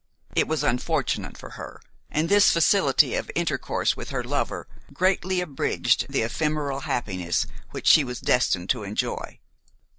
It was unfortunate for her, and this facility of intercourse with her lover greatly abridged the ephemeral happiness which she was destined to enjoy.